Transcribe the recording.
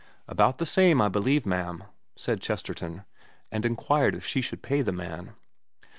' About the same I believe, ma'am,' said Chesterton ; and inquired if she should pay the man.